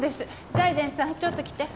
財前さんちょっと来て。